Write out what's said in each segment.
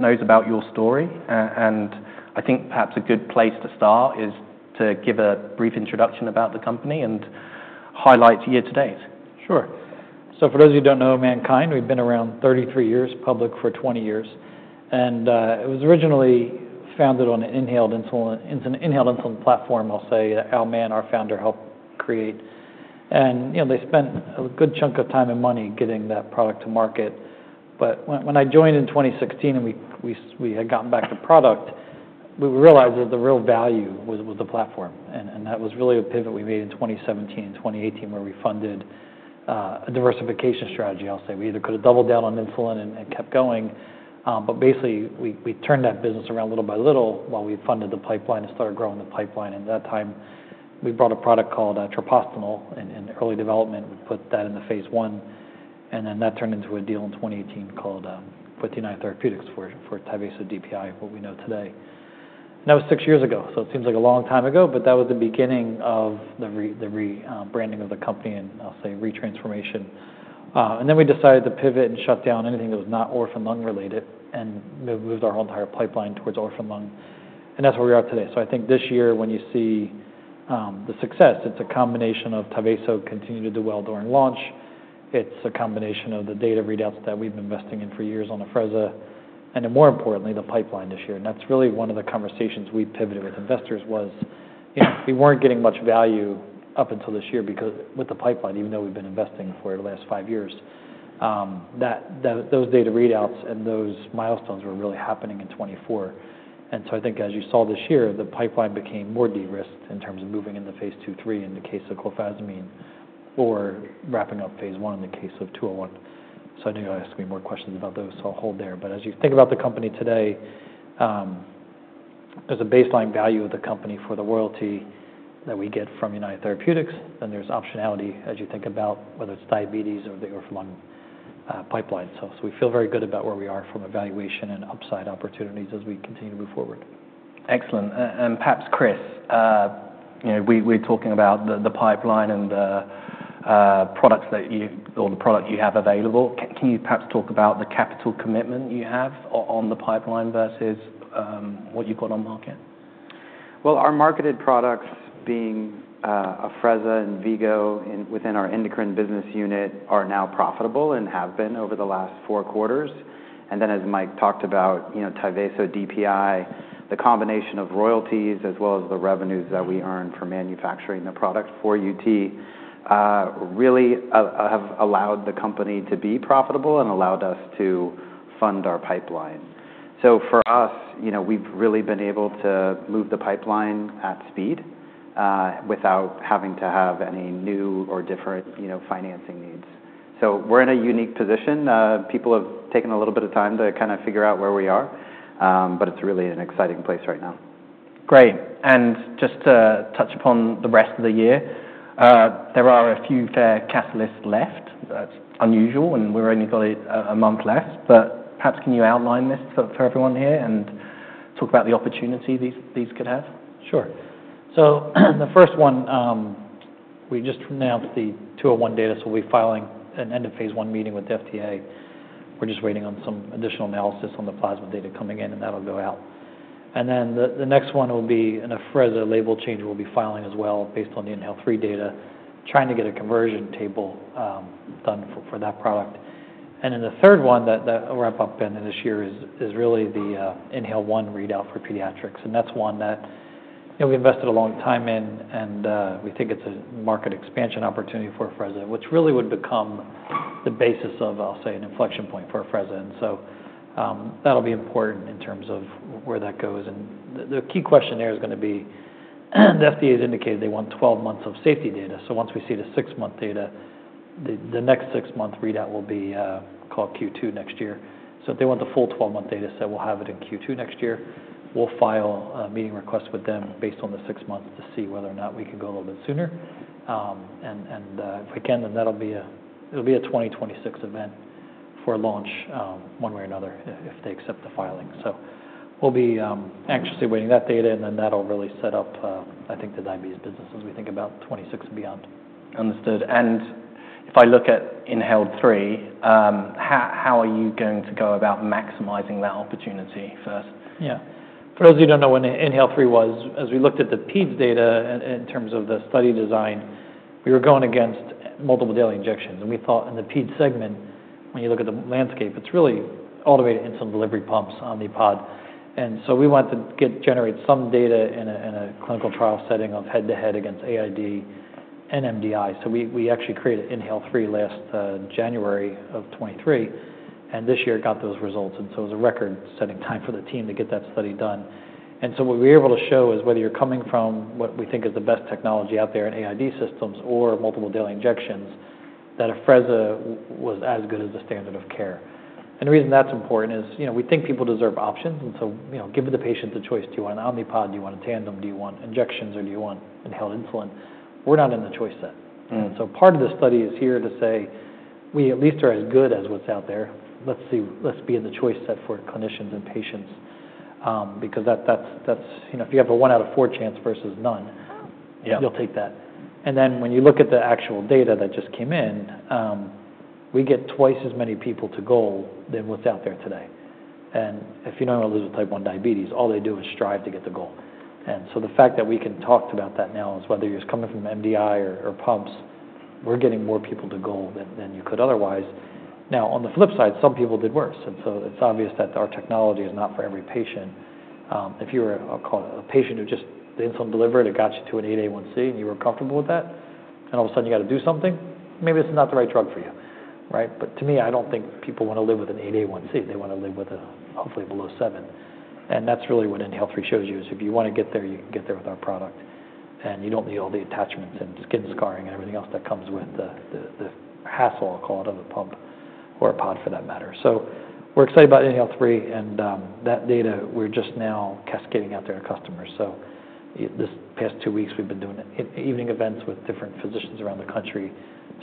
Knows about your story, and I think perhaps a good place to start is to give a brief introduction about the company and highlight year to date. Sure. So for those who don't know, MannKind, we've been around 33 years, public for 20 years, and it was originally founded on an inhaled insulin platform, I'll say, that Al Mann, our founder, helped create. And they spent a good chunk of time and money getting that product to market. But when I joined in 2016 and we had gotten back to product, we realized that the real value was the platform. And that was really a pivot we made in 2017 and 2018, where we funded a diversification strategy, I'll say. We either could have doubled down on insulin and kept going. But basically, we turned that business around little by little while we funded the pipeline and started growing the pipeline. At that time, we brought a product called Treprostinil in early development. We put that in the phase one. And then that turned into a deal in 2018 called S-59 Therapeutics for Tyvaso DPI, what we know today. And that was six years ago. So it seems like a long time ago, but that was the beginning of the rebranding of the company and, I'll say, retransformation. And then we decided to pivot and shut down anything that was not orphan lung related and moved our entire pipeline towards orphan lung. And that's where we are today. So I think this year, when you see the success, it's a combination of Tyvaso continuing to do well during launch. It's a combination of the data readouts that we've been investing in for years on Afrezza. And more importantly, the pipeline this year. That's really one of the conversations we pivoted with investors was we weren't getting much value up until this year with the pipeline, even though we've been investing for the last five years. Those data readouts and those milestones were really happening in 2024. And so I think, as you saw this year, the pipeline became more de-risked in terms of moving into phase two, three, in the case of clofazimine, or wrapping up phase one in the case of 201. So I know there has to be more questions about those, so I'll hold there. But as you think about the company today, there's a baseline value of the company for the royalty that we get from United Therapeutics. Then there's optionality, as you think about whether it's diabetes or the orphan lung pipeline. So we feel very good about where we are from evaluation and upside opportunities as we continue to move forward. Excellent. And perhaps, Chris, we're talking about the pipeline and the products that you or the product you have available. Can you perhaps talk about the capital commitment you have on the pipeline versus what you've got on market? Our marketed products being Afrezza and V-Go within our endocrine business unit are now profitable and have been over the last four quarters. Then, as Mike talked about, Tyvaso DPI, the combination of royalties as well as the revenues that we earn from manufacturing the product for UT really have allowed the company to be profitable and allowed us to fund our pipeline. For us, we've really been able to move the pipeline at speed without having to have any new or different financing needs. We're in a unique position. People have taken a little bit of time to kind of figure out where we are, but it's really an exciting place right now. Great. And just to touch upon the rest of the year, there are a few key catalysts left. That's unusual, and we've only got a month left. But perhaps can you outline this for everyone here and talk about the opportunity these could have? Sure. The first one, we just announced the MNKD-201 data. We're filing for an end-of-phase 1 meeting with the FDA. We're just waiting on some additional analysis on the plasma data coming in, and that'll go out. The next one will be an Afrezza label change we'll be filing as well based on the INHALE-3 data, trying to get a conversion table done for that product. The third one that we'll wrap up in this year is really the INHALE-1 readout for pediatrics. That's one that we invested a long time in, and we think it's a market expansion opportunity for Afrezza, which really would become the basis of, I'll say, an inflection point for Afrezza. That'll be important in terms of where that goes. The key question there is going to be the FDA has indicated they want 12 months of safety data. Once we see the six-month data, the next six-month readout will be called Q2 next year. If they want the full 12-month data set, we'll have it in Q2 next year. We'll file a meeting request with them based on the six months to see whether or not we can go a little bit sooner. If we can, then that'll be a 2026 event for launch one way or another if they accept the filing. We'll be anxiously waiting that data, and then that'll really set up, I think, the diabetes business as we think about 2026 and beyond. Understood. And if I look at INHALE-3, how are you going to go about maximizing that opportunity first? Yeah. For those of you who don't know what INHALE-3 was, as we looked at the Peds data in terms of the study design, we were going against multiple daily injections. And we thought in the Peds segment, when you look at the landscape, it's really automated insulin delivery pumps, the Omnipod. And so we want to generate some data in a clinical trial setting of head-to-head against AID and MDI. So we actually created INHALE-3 last January of 2023, and this year got those results. And so it was a record-setting time for the team to get that study done. And so what we were able to show is whether you're coming from what we think is the best technology out there in AID systems or multiple daily injections, that Afrezza was as good as the standard of care. And the reason that's important is we think people deserve options. And so give the patient the choice. Do you want an Omnipod? Do you want a Tandem? Do you want injections? Or do you want inhaled insulin? We're not in the choice set. And so part of the study is here to say, we at least are as good as what's out there. Let's be in the choice set for clinicians and patients. Because if you have a one out of four chance versus none, you'll take that. And then when you look at the actual data that just came in, we get twice as many people to goal than what's out there today. And if you know anyone who lives with type 1 diabetes, all they do is strive to get to goal. And so the fact that we can talk about that now is whether you're coming from MDI or pumps, we're getting more people to goal than you could otherwise. Now, on the flip side, some people did worse. And so it's obvious that our technology is not for every patient. If you were a patient who just gets the insulin delivered and it got you to an 8 A1C and you were comfortable with that, and all of a sudden you got to do something, maybe this is not the right drug for you. But to me, I don't think people want to live with an 8 A1C. They want to live with a hopefully below 7. And that's really what INHALE-3 shows you is if you want to get there, you can get there with our product. And you don't need all the attachments and skin scarring and everything else that comes with the hassle, I'll call it, of a pump or a pod for that matter. So we're excited about INHALE-3. And that data, we're just now cascading out there to customers. So this past two weeks, we've been doing evening events with different physicians around the country,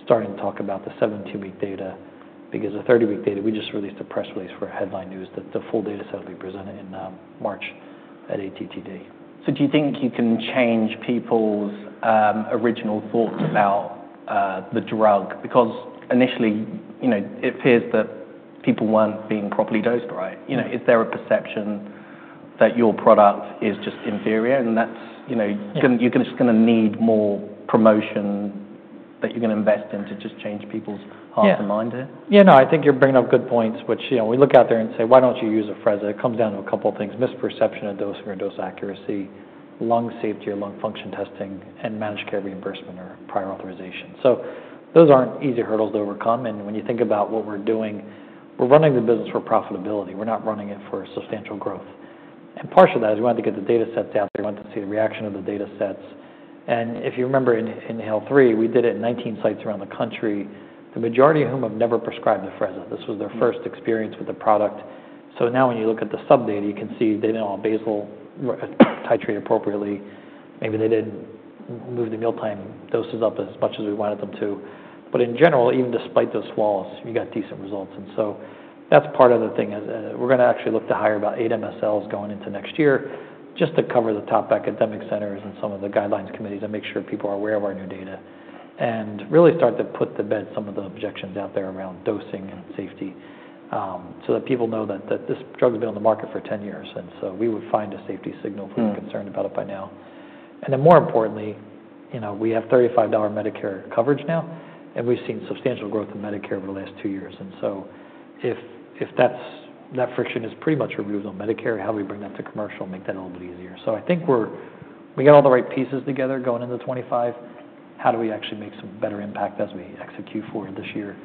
starting to talk about the 72-week data. Because the 30-week data, we just released a press release for headline news that the full data set will be presented in March at ATTD. So do you think you can change people's original thoughts about the drug? Because initially, it appears that people weren't being properly dosed, right? Is there a perception that your product is just inferior and that you're just going to need more promotion that you're going to invest in to just change people's hearts and minds? Yeah. Yeah, no, I think you're bringing up good points, which we look out there and say, why don't you use Afrezza? It comes down to a couple of things: misperception of dosing or dose accuracy, lung safety or lung function testing, and managed care reimbursement or prior authorization. So those aren't easy hurdles to overcome. And when you think about what we're doing, we're running the business for profitability. We're not running it for substantial growth. And part of that is we wanted to get the data sets out there. We wanted to see the reaction of the data sets. And if you remember in INHALE-3, we did it in 19 sites around the country, the majority of whom have never prescribed Afrezza. This was their first experience with the product. So now when you look at the subdata, you can see they didn't all basal titrate appropriately. Maybe they didn't move the mealtime doses up as much as we wanted them to, but in general, even despite those swallows, you got decent results, and so that's part of the thing. We're going to actually look to hire about eight MSLs going into next year just to cover the top academic centers and some of the guidelines committees and make sure people are aware of our new data, and really start to put to bed some of the objections out there around dosing and safety so that people know that this drug has been on the market for 10 years, and so we would find a safety signal if we were concerned about it by now, and then more importantly, we have $35 Medicare coverage now, and we've seen substantial growth in Medicare over the last two years. And so if that friction is pretty much removed on Medicare, how do we bring that to commercial and make that a little bit easier? So I think we got all the right pieces together going into 2025. How do we actually make some better impact as we execute for this year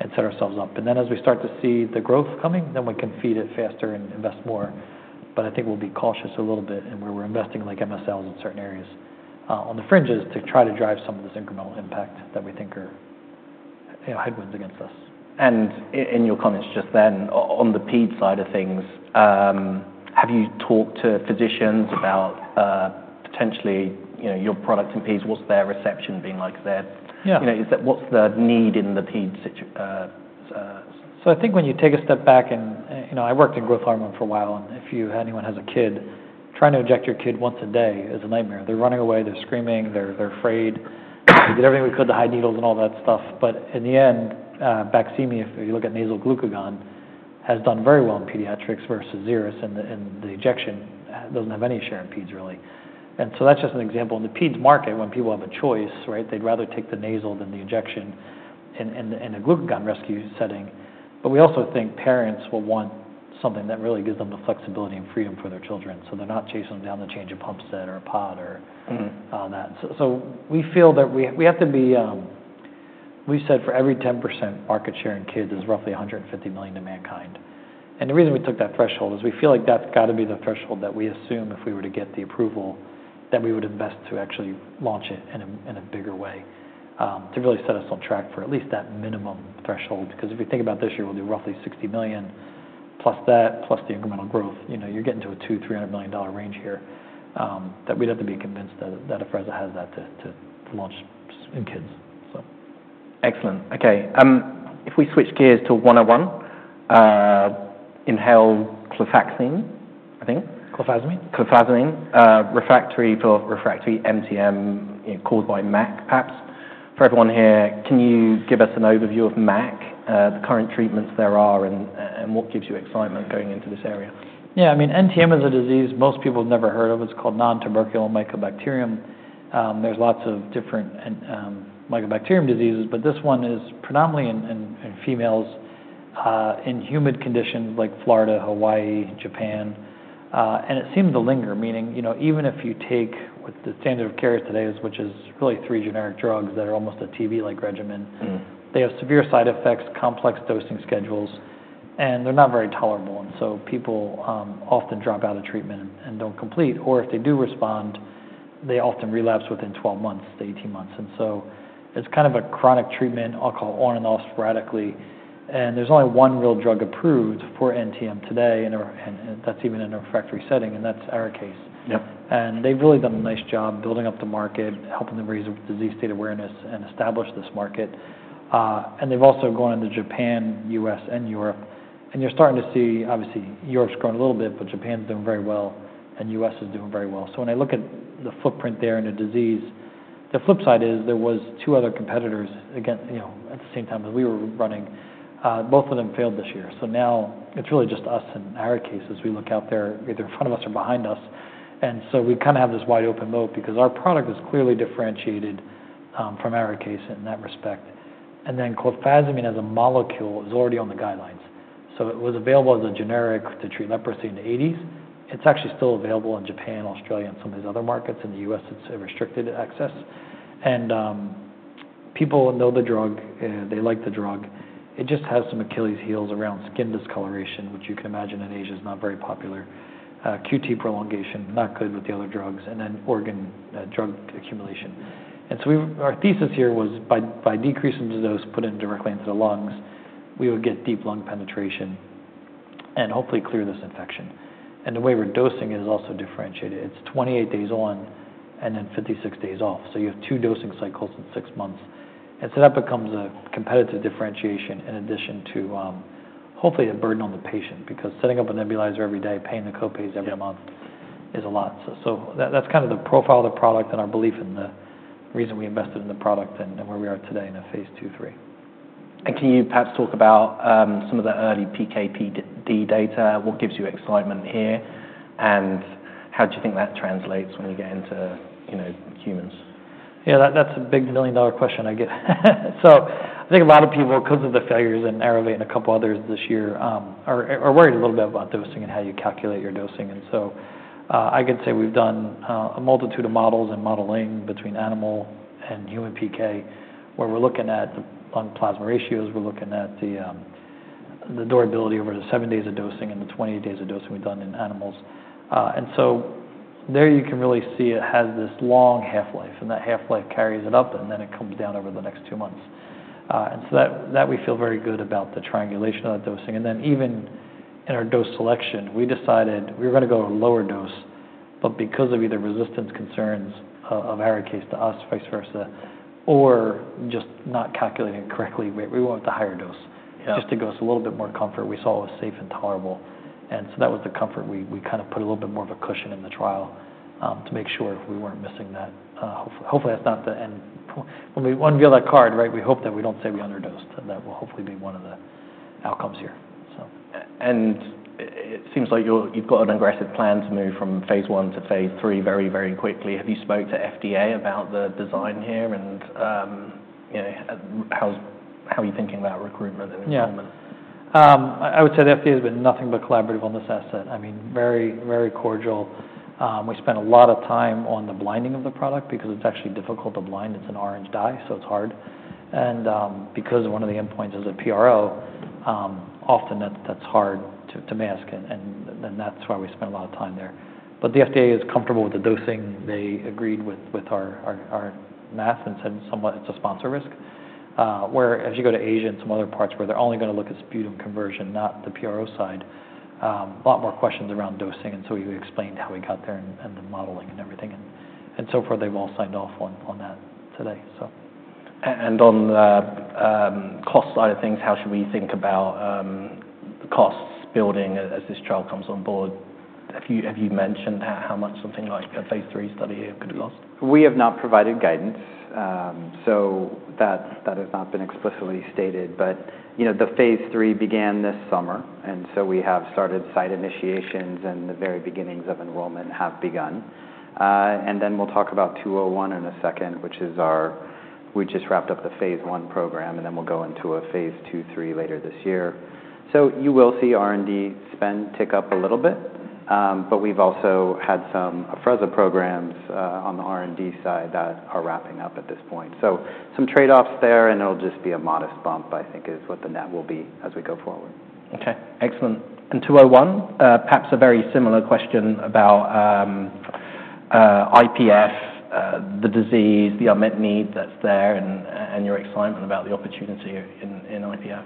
and set ourselves up? And then as we start to see the growth coming, then we can feed it faster and invest more. But I think we'll be cautious a little bit in where we're investing like MSLs in certain areas on the fringes to try to drive some of this incremental impact that we think are headwinds against us. In your comments just then on the PED side of things, have you talked to physicians about potentially your product and Peds? What's their reception been like? What's the need in the Peds? So I think when you take a step back, and I worked in growth hormone for a while, and if anyone has a kid, trying to inject your kid once a day is a nightmare. They're running away. They're screaming. They're afraid. We did everything we could to hide needles and all that stuff, but in the end, Baqsimi, if you look at nasal glucagon, has done very well in pediatrics versus Xeris, and the injection doesn't have any share in Peds, really, and so that's just an example. In the Peds market, when people have a choice, they'd rather take the nasal than the injection in a glucagon rescue setting, but we also think parents will want something that really gives them the flexibility and freedom for their children, so they're not chasing them down to change a pump set or a pod or that. So we feel that we have to be we said for every 10% market share in kids is roughly $150 million to MannKind. And the reason we took that threshold is we feel like that's got to be the threshold that we assume if we were to get the approval that we would invest to actually launch it in a bigger way to really set us on track for at least that minimum threshold. Because if you think about this year, we'll do roughly $60 million plus that, plus the incremental growth. You're getting to a $200-$300 million range here that we'd have to be convinced that Afrezza has that to launch in kids. Excellent. Okay. If we switch gears to 101, inhaled clofazimine, I think. Clofaxine? Clofazimine, refractory for refractory NTM caused by MAC, perhaps. For everyone here, can you give us an overview of MAC, the current treatments there are, and what gives you excitement going into this area? Yeah. I mean, NTM is a disease most people have never heard of. It's called nontuberculous mycobacteria. There's lots of different mycobacterium diseases, but this one is predominantly in females in humid conditions like Florida, Hawaii, Japan, and it seems to linger, meaning even if you take what the standard of care is today, which is really three generic drugs that are almost a TB-like regimen, they have severe side effects, complex dosing schedules, and they're not very tolerable, so people often drop out of treatment and don't complete, or if they do respond, they often relapse within 12 months, 18 months, so it's kind of a chronic treatment, I'll call on and off sporadically, and there's only one real drug approved for NTM today, and that's even in a refractory setting, and that's Arikayce. They've really done a nice job building up the market, helping them raise disease state awareness, and establish this market. They've also gone into Japan, US, and Europe. You're starting to see, obviously, Europe's grown a little bit, but Japan's doing very well, and US is doing very well. When I look at the footprint there in a disease, the flip side is there was two other competitors at the same time as we were running. Both of them failed this year. Now it's really just us and Arikayce as we look out there, either in front of us or behind us. We kind of have this wide open moat because our product is clearly differentiated from Arikayce in that respect. Clofazimine as a molecule is already on the guidelines. It was available as a generic to treat leprosy in the 1980s. It's actually still available in Japan, Australia, and some of these other markets. In the U.S., it's restricted access. People know the drug. They like the drug. It just has some Achilles heels around skin discoloration, which you can imagine in Asia is not very popular. QT prolongation, not good with the other drugs. Organ drug accumulation. Our thesis here was by decreasing the dose put in directly into the lungs, we would get deep lung penetration and hopefully clear this infection. The way we're dosing it is also differentiated. It's 28 days on and then 56 days off. You have two dosing cycles in six months. That becomes a competitive differentiation in addition to hopefully a burden on the patient. Because setting up a nebulizer every day, paying the copays every month is a lot. So that's kind of the profile of the product and our belief and the reason we invested in the product and where we are today in a phase 2, 3. Can you perhaps talk about some of the early PKPD data? What gives you excitement here? How do you think that translates when you get into humans? Yeah, that's a big million-dollar question I get. So I think a lot of people, because of the failures in Aerovate or AN2 Therapeutics and a couple others this year, are worried a little bit about dosing and how you calculate your dosing. And so I could say we've done a multitude of models and modeling between animal and human PK, where we're looking at the lung plasma ratios. We're looking at the durability over the seven days of dosing and the 28 days of dosing we've done in animals. And so there you can really see it has this long half-life, and that half-life carries it up, and then it comes down over the next two months. And so that we feel very good about the triangulation of that dosing. And then even in our dose selection, we decided we were going to go to a lower dose, but because of either resistance concerns of Arikayce to us, vice versa, or just not calculating it correctly, we went with the higher dose just to give us a little bit more comfort. We saw it was safe and tolerable. And so that was the comfort. We kind of put a little bit more of a cushion in the trial to make sure we weren't missing that. Hopefully, that's not the end. When we unveil that card, we hope that we don't say we underdosed. That will hopefully be one of the outcomes here. It seems like you've got an aggressive plan to move from phase one to phase three very, very quickly. Have you spoke to FDA about the design here and how are you thinking about recruitment and enrollment? Yeah. I would say the FDA has been nothing but collaborative on this asset. I mean, very, very cordial. We spent a lot of time on the blinding of the product because it's actually difficult to blind. It's an orange dye, so it's hard. And because one of the endpoints is a PRO, often that's hard to mask. And then that's why we spent a lot of time there. But the FDA is comfortable with the dosing. They agreed with our math and said it's a sponsor risk. Whereas you go to Asia and some other parts where they're only going to look at sputum conversion, not the PRO side, a lot more questions around dosing. And so we explained how we got there and the modeling and everything. And so far, they've all signed off on that today. On the cost side of things, how should we think about the costs building as this trial comes on board? Have you mentioned how much something like a phase 3 study could have cost? We have not provided guidance, so that has not been explicitly stated, but the phase three began this summer, and so we have started site initiations, and the very beginnings of enrollment have begun. Then we'll talk about 201 in a second, which is our we just wrapped up the phase one program, and then we'll go into a phase two, three later this year. You will see R&D spend tick up a little bit, but we've also had some Afrezza programs on the R&D side that are wrapping up at this point. Some trade-offs there, and it'll just be a modest bump, I think, is what the net will be as we go forward. Okay. Excellent. And 201, perhaps a very similar question about IPF, the disease, the unmet need that's there, and your excitement about the opportunity in IPF.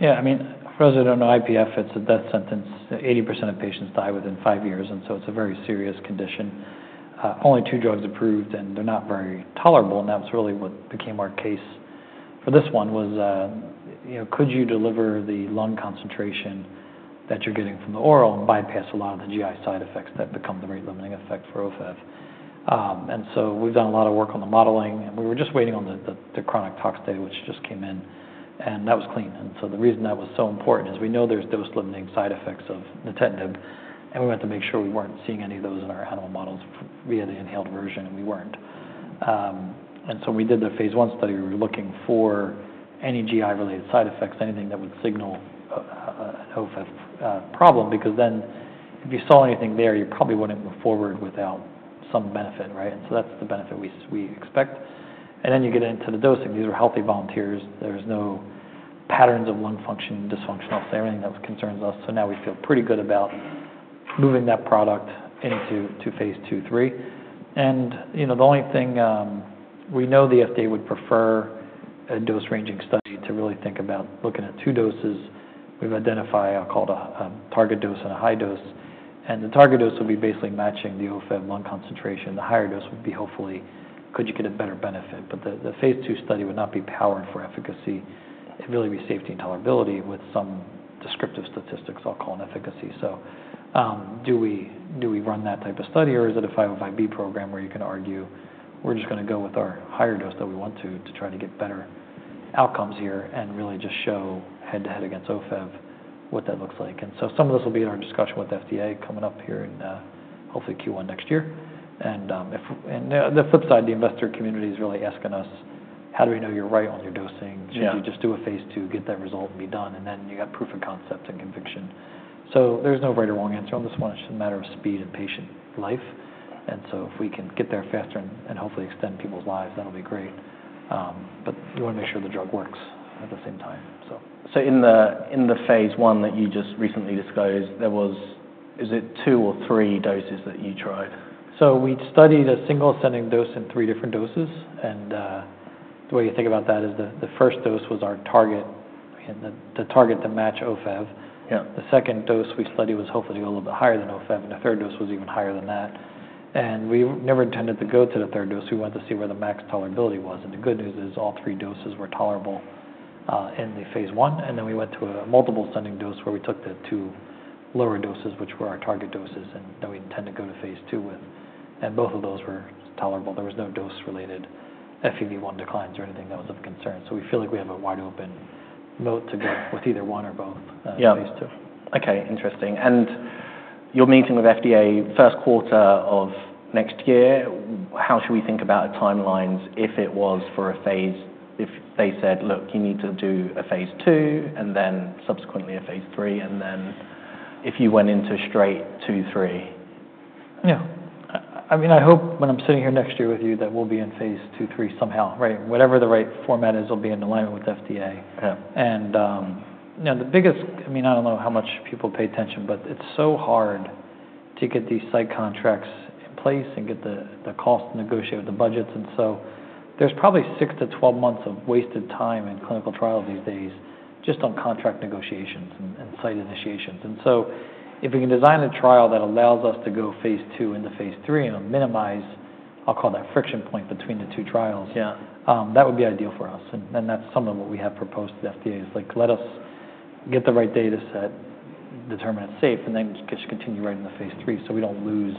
Yeah. I mean, Afrezza and IPF, it's a death sentence. 80% of patients die within five years, and so it's a very serious condition. Only two drugs approved, and they're not very tolerable. And that was really what became our case for this one was, could you deliver the lung concentration that you're getting from the oral and bypass a lot of the GI side effects that become the rate-limiting effect for Ofev? And so we've done a lot of work on the modeling, and we were just waiting on the chronic tox data, which just came in, and that was clean. And so the reason that was so important is we know there's dose-limiting side effects of the nintedanib, and we wanted to make sure we weren't seeing any of those in our animal models via the inhaled version, and we weren't. And so when we did the phase one study, we were looking for any GI-related side effects, anything that would signal an Ofev problem. Because then if you saw anything there, you probably wouldn't move forward without some benefit, right? And so that's the benefit we expect. And then you get into the dosing. These are healthy volunteers. There's no patterns of lung function dysfunctional or anything that concerns us. So now we feel pretty good about moving that product into phase two, three. And the only thing we know the FDA would prefer a dose-ranging study to really think about looking at two doses. We've identified, I'll call it a target dose and a high dose. And the target dose will be basically matching the Ofev lung concentration. The higher dose would be hopefully, could you get a better benefit? But the phase 2 study would not be powered for efficacy. It'd really be safety and tolerability with some descriptive statistics, I'll call it efficacy. So do we run that type of study, or is it a 505(b)(2) program where you can argue, we're just going to go with our higher dose that we want to try to get better outcomes here and really just show head-to-head against Ofev what that looks like? And so some of this will be in our discussion with the FDA coming up here in hopefully Q1 next year. And the flip side, the investor community is really asking us, how do we know you're right on your dosing? Should you just do a phase 2, get that result, and be done? And then you got proof of concept and conviction. So there's no right or wrong answer on this one. It's just a matter of speed and patient life. And so if we can get there faster and hopefully extend people's lives, that'll be great. But we want to make sure the drug works at the same time. So in the phase one that you just recently disclosed, there was, is it two or three doses that you tried? We studied a single ascending dose in three different doses. The way you think about that is the first dose was our target, the target to match Ofev. The second dose we studied was hopefully to go a little bit higher than Ofev, and the third dose was even higher than that. We never intended to go to the third dose. We wanted to see where the maximum tolerability was. The good news is all three doses were tolerable in the phase 1. Then we went to a multiple ascending dose where we took the two lower doses, which were our target doses, and then we intend to go to phase 2 with, and both of those were tolerable. There was no dose-related FEV1 declines or anything that was of concern. So we feel like we have a wide open moat to go with either one or both phase two. Okay. Interesting. And you're meeting with FDA first quarter of next year. How should we think about timelines if it was for a phase if they said, look, you need to do a phase two and then subsequently a phase three, and then if you went into straight two, three? Yeah. I mean, I hope when I'm sitting here next year with you that we'll be in phase two, three somehow, right? Whatever the right format is, it'll be in alignment with FDA, and the biggest, I mean, I don't know how much people pay attention, but it's so hard to get these site contracts in place and get the cost negotiated with the budgets, and so there's probably six to 12 months of wasted time in clinical trials these days just on contract negotiations and site initiations, and so if we can design a trial that allows us to go phase two into phase three and minimize, I'll call that friction point between the two trials, that would be ideal for us. That's some of what we have proposed to the FDA is like, let us get the right data set, determine it's safe, and then just continue right into phase three so we don't lose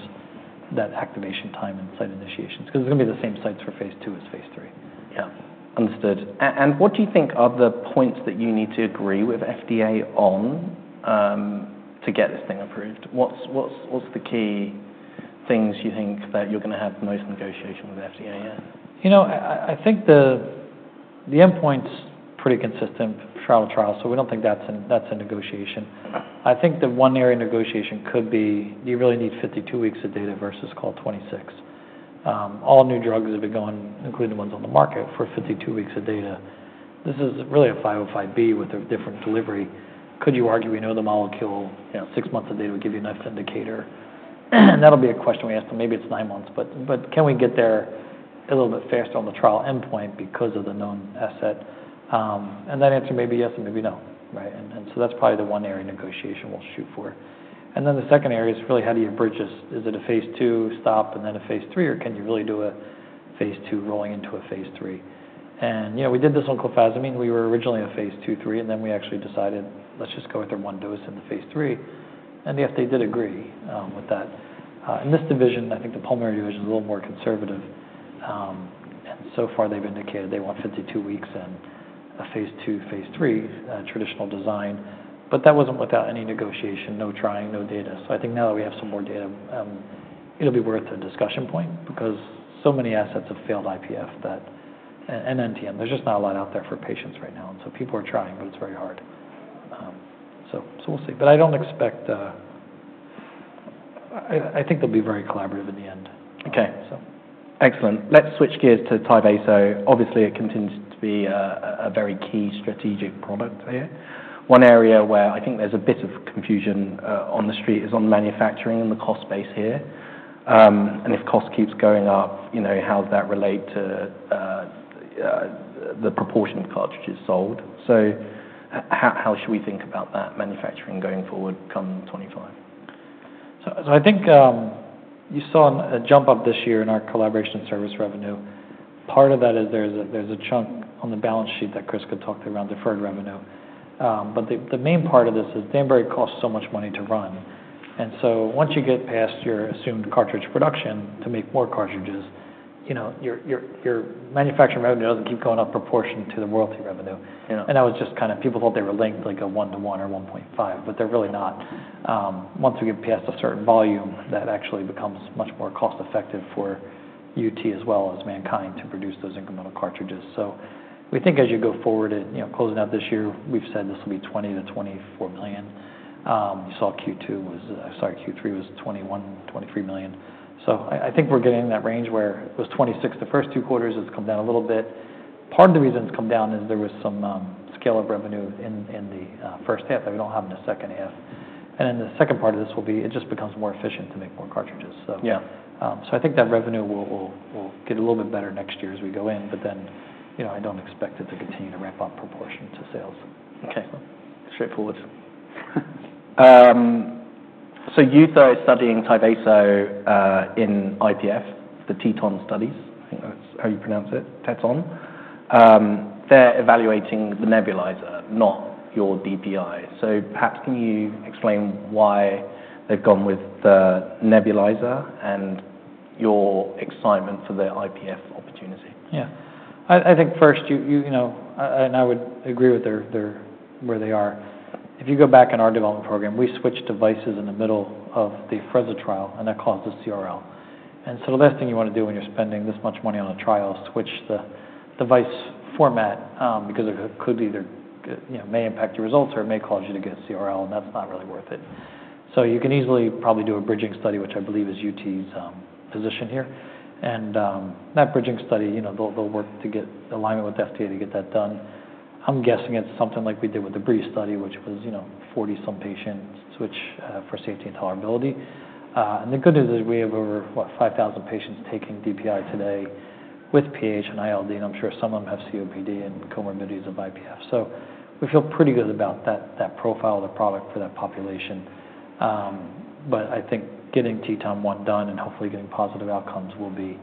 that activation time and site initiations. Because it's going to be the same sites for phase two as phase three. Yeah. Understood. And what do you think are the points that you need to agree with FDA on to get this thing approved? What's the key things you think that you're going to have the most negotiation with FDA in? You know, I think the endpoint's pretty consistent trial to trial, so we don't think that's a negotiation. I think the one area of negotiation could be, do you really need 52 weeks of data versus or 26? All new drugs have been going, including the ones on the market, for 52 weeks of data. This is really a 505(b)(2) with a different delivery. Could you argue we know the molecule? Six months of data would give you enough of an indicator. That'll be a question we ask them. Maybe it's nine months, but can we get there a little bit faster on the trial endpoint because of the known asset? That answer may be yes and may be no, right? So that's probably the one area of negotiation we'll shoot for. Then the second area is really how do you bridge this? Is it a phase two stop and then a phase three, or can you really do a phase two rolling into a phase three? And we did this on clofazimine. We were originally a phase two, three, and then we actually decided, let's just go with one dose in the phase three. And the FDA did agree with that. In this division, I think the pulmonary division is a little more conservative. And so far they've indicated they want 52 weeks and a phase two, phase three traditional design. But that wasn't without any negotiation, no trying, no data. So I think now that we have some more data, it'll be worth a discussion point because so many assets have failed IPF that, and NTM, there's just not a lot out there for patients right now. And so people are trying, but it's very hard. So we'll see. But I don't expect, I think they'll be very collaborative in the end. Okay. Excellent. Let's switch gears to Tyvaso. So. Obviously, it continues to be a very key strategic product here. One area where I think there's a bit of confusion on the street is on manufacturing and the cost base here. And if cost keeps going up, how does that relate to the proportion of cartridges sold? So how should we think about that manufacturing going forward come 2025? I think you saw a jump up this year in our collaboration service revenue. Part of that is there's a chunk on the balance sheet that Chris could talk to around deferred revenue. But the main part of this is Danbury costs so much money to run. And so once you get past your assumed cartridge production to make more cartridges, your manufacturing revenue doesn't keep going up proportion to the royalty revenue. And that was just kind of people thought they were linked like a one-to-one or 1.5, but they're really not. Once we get past a certain volume, that actually becomes much more cost-effective for UT as well as MannKind to produce those incremental cartridges. So we think as you go forward, closing out this year, we've said this will be $20 million-$24 million. You saw Q2 was, sorry, Q3 was $21-$23 million. So I think we're getting in that range where it was 26 the first two quarters. It's come down a little bit. Part of the reason it's come down is there was some scale of revenue in the first half that we don't have in the second half. And then the second part of this will be it just becomes more efficient to make more cartridges. So I think that revenue will get a little bit better next year as we go in, but then I don't expect it to continue to ramp up proportion to sales. Okay. Straightforward. So you're studying Tyvaso in IPF, the TETON studies. I think that's how you pronounce it, TETON. They're evaluating the nebulizer, not your DPI. So perhaps can you explain why they've gone with the nebulizer and your excitement for the IPF opportunity? Yeah. I think first, and I would agree with where they are. If you go back in our development program, we switched devices in the middle of the Afrezza trial, and that caused a CRL. And so the best thing you want to do when you're spending this much money on a trial is switch the device format because it could either may impact your results or it may cause you to get CRL, and that's not really worth it. So you can easily probably do a bridging study, which I believe is UT's position here. And that bridging study, they'll work to get alignment with FDA to get that done. I'm guessing it's something like we did with the BREEZE study, which was 40-some patients switch for safety and tolerability. The good news is we have over, what, 5,000 patients taking DPI today with pH and ILD, and I'm sure some of them have COPD and comorbidities of IPF. We feel pretty good about that profile of the product for that population. I think getting TETON 1 done and hopefully getting positive outcomes will be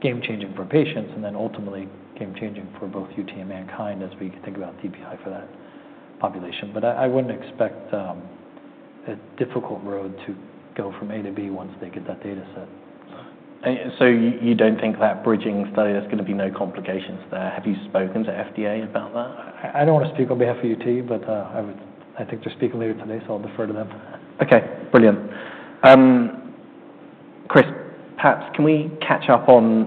game-changing for patients and then ultimately game-changing for both UT and MannKind as we think about DPI for that population. I wouldn't expect a difficult road to go from A to B once they get that data set. So you don't think that bridging study is going to be no complications there? Have you spoken to FDA about that? I don't want to speak on behalf of UT, but I think they're speaking later today, so I'll defer to them. Okay. Brilliant. Chris, perhaps can we catch up on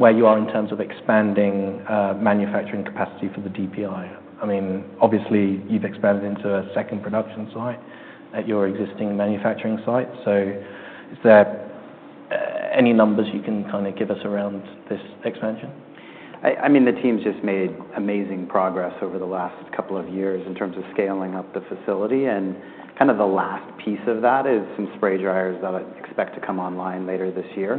where you are in terms of expanding manufacturing capacity for the DPI? I mean, obviously you've expanded into a second production site at your existing manufacturing site. So is there any numbers you can kind of give us around this expansion? I mean, the team's just made amazing progress over the last couple of years in terms of scaling up the facility. And kind of the last piece of that is some spray dryers that I expect to come online later this year.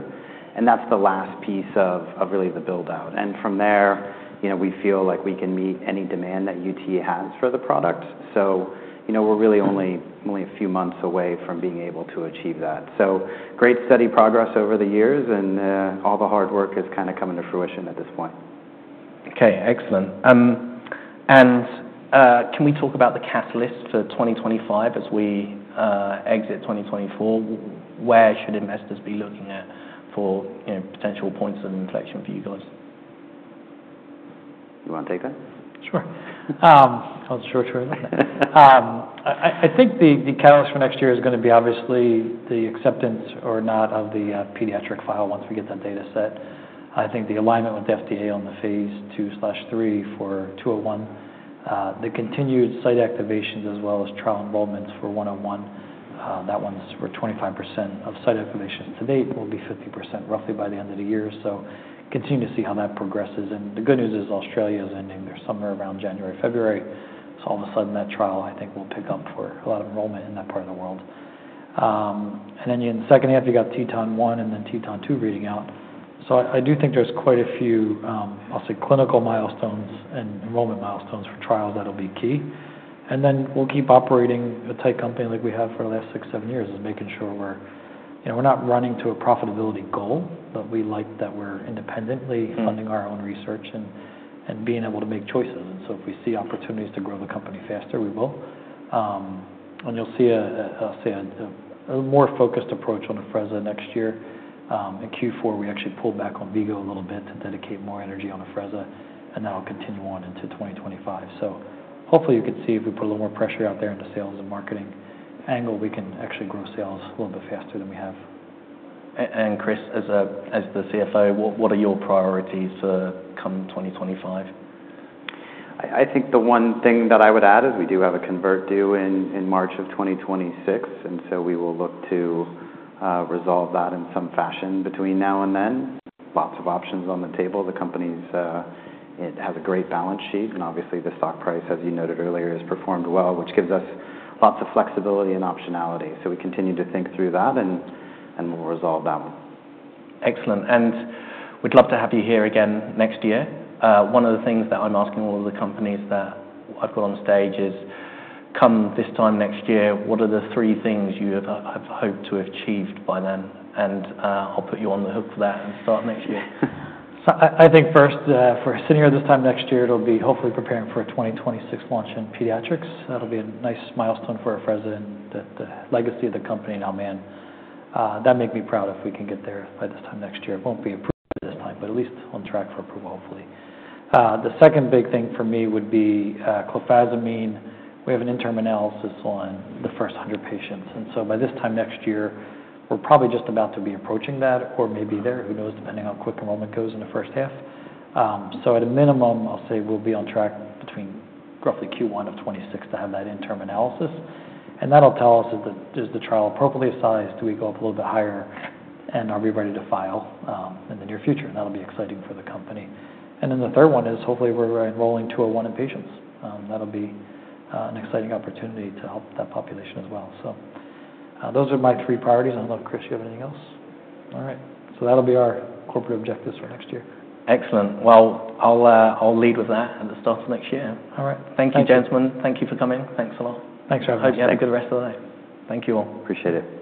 And that's the last piece of really the build-out. And from there, we feel like we can meet any demand that UT has for the product. So we're really only a few months away from being able to achieve that. So great study progress over the years, and all the hard work is kind of coming to fruition at this point. Okay. Excellent. And can we talk about the catalyst for 2025 as we exit 2024? Where should investors be looking at for potential points of inflection for you guys? You want to take that? Sure. I'll just short-short it up. I think the catalyst for next year is going to be obviously the acceptance or not of the pediatric file once we get that data set. I think the alignment with FDA on the phase two slash three for 201, the continued site activations as well as trial enrollments for 101, that one's for 25% of site activations to date will be 50% roughly by the end of the year, so continue to see how that progresses. And the good news is Australia is ending their summer around January, February, so all of a sudden that trial I think will pick up for a lot of enrollment in that part of the world, and then in the second half, you got TETON 1 and then TETON 2 reading out. I do think there's quite a few, I'll say, clinical milestones and enrollment milestones for trials that'll be key. And then we'll keep operating a tight company like we have for the last six, seven years is making sure we're not running to a profitability goal, but we like that we're independently funding our own research and being able to make choices. And so if we see opportunities to grow the company faster, we will. And you'll see, I'll say, a more focused approach on Afrezza next year. In Q4, we actually pulled back on V-Go a little bit to dedicate more energy on Afrezza, and that'll continue on into 2025. So hopefully you can see if we put a little more pressure out there in the sales and marketing angle, we can actually grow sales a little bit faster than we have. Chris, as the CFO, what are your priorities for the coming 2025? I think the one thing that I would add is we do have a convert due in March of 2026, and so we will look to resolve that in some fashion between now and then. Lots of options on the table. The company has a great balance sheet, and obviously the stock price, as you noted earlier, has performed well, which gives us lots of flexibility and optionality. So we continue to think through that, and we'll resolve that one. Excellent. And we'd love to have you here again next year. One of the things that I'm asking all of the companies that I've got on stage is come this time next year, what are the three things you have hoped to have achieved by then? And I'll put you on the hook for that and start next year. I think first, for sitting here this time next year, it'll be hopefully preparing for a 2026 launch in pediatrics. That'll be a nice milestone for Afrezza and the legacy of the company now, man. That'd make me proud if we can get there by this time next year. It won't be approved by this time, but at least on track for approval, hopefully. The second big thing for me would be clofazimine. We have an interim analysis on the first 100 patients. And so by this time next year, we're probably just about to be approaching that or maybe there, who knows, depending on how quick enrollment goes in the first half. So at a minimum, I'll say we'll be on track between roughly Q1 of 2026 to have that interim analysis. That'll tell us is the trial appropriately sized, do we go up a little bit higher, and are we ready to file in the near future? That'll be exciting for the company. Then the third one is hopefully we're enrolling MNKD-201 in patients. That'll be an exciting opportunity to help that population as well. Those are my three priorities. I don't know, Chris, do you have anything else? All right. That'll be our corporate objectives for next year. Excellent. Well, I'll lead with that at the start of next year. All right. Thank you, gentlemen. Thank you for coming. Thanks a lot. Thanks for having us. Hope you have a good rest of the day. Thank you all. Appreciate it.